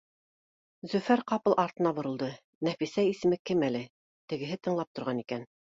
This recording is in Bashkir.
Зөфәр ҡапыл артына боролдо: Нәфисә, исеме кем әле? Тегеһе тыңлап торған икән: